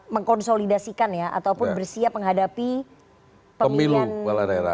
mengkonsolidasikan ya ataupun bersiap menghadapi pemilihan kepala daerah